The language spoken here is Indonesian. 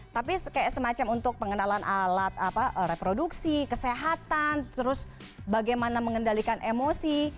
tapi kayak semacam untuk pengenalan alat reproduksi kesehatan terus bagaimana mengendalikan emosi